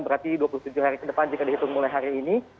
berarti dua puluh tujuh hari ke depan jika dihitung mulai hari ini